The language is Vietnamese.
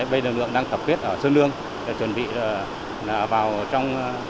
bây giờ lực lượng đang tập kết ở sơn lương chuẩn bị vào trong